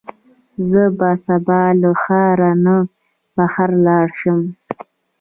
زه به سبا له ښار نه بهر لاړ شم.